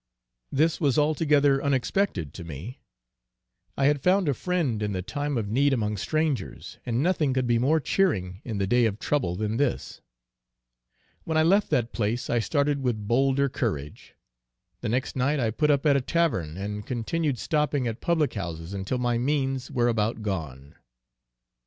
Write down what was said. This was altogether unexpected to me: I had found a friend in the time of need among strangers, and nothing could be more cheering in the day of trouble than this. When I left that place I started with bolder courage. The next night I put up at a tavern, and continued stopping at public houses until my means were about gone.